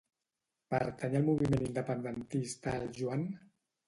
Pertany al moviment independentista el Joan?